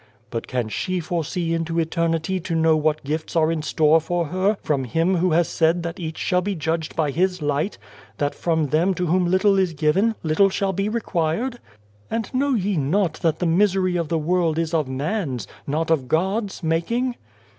" But can she foresee into eternity to know what gifts are in store for her from Him who has said that each shall be judged by his light that from them to whom little is given, little shall be required? " And know ye not that the misery of the world is of man's, not of God's making